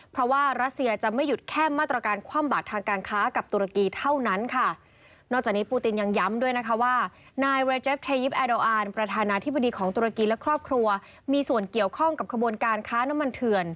เพราะว่ารัสเซียจะไม่หยุดแค่